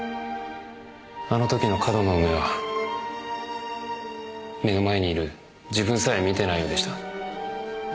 あの時の上遠野の目は目の前にいる自分さえ見てないようでした。